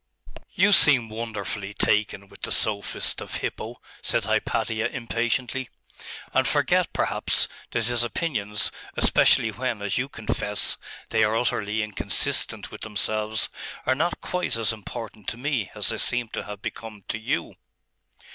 'You seem wonderfully taken with the sophist of Hippo,' said Hypatia impatiently; 'and forget, perhaps, that his opinions, especially when, as you confess, they are utterly inconsistent with themselves, are not quite as important to me as they seem to have become to you.